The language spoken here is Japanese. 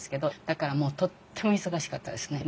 だからもうとっても忙しかったですね。